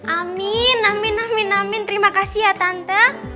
amin amin amin amin terima kasih ya tante